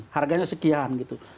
harganya sekian gitu